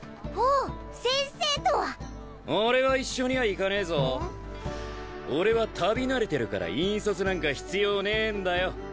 ほう先生とは俺は一緒には行かねえぞ俺は旅慣れてるから引率なんか必要ねえんだよ